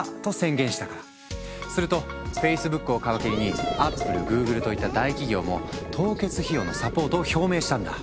するとＦａｃｅｂｏｏｋを皮切りにＡｐｐｌｅＧｏｏｇｌｅといった大企業も凍結費用のサポートを表明したんだ。